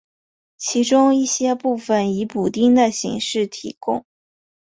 其中一些部分以补丁的形式提供。